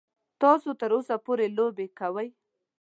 تاسو تر اوسه پورې لوبې کوئ.